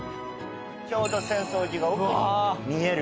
ちょうど浅草寺が奥に見える。